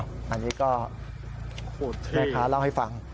อันนี้ก็แม่ค้าเล่าให้ฟัง